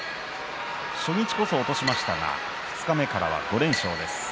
初日こそ落としましたが二日目からは５連勝です。